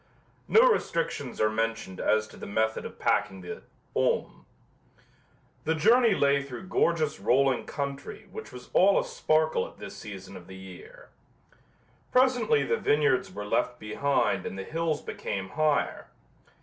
No restrictions are mentioned as to the method of packing the "hommes." The journey lay through gorgeous rolling country which was all a sparkle at this season of the year. Presently the vineyards were left behind and the hills became higher.